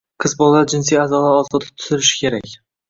Qiz bolalar jinsiy a’zolari ozoda tutilishi kerak.